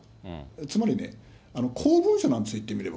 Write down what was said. つまりね、公文書なんですよ、これは、言ってみれば。